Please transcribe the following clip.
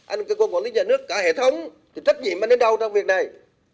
anh cơ quan quản lý nhà nước cả hệ thống thì trách nhiệm anh đến đâu trong việc này